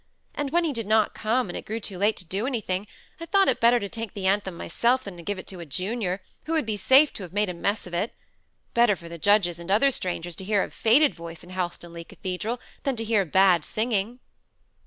"And when he did not come, and it grew too late to do anything, I thought it better to take the anthem myself than to give it to a junior, who would be safe to have made a mess of it. Better for the judges and other strangers to hear a faded voice in Helstonleigh Cathedral, than to hear bad singing."